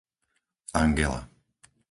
Angela